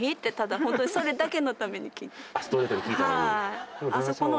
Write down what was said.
ストレートに聞いたのに。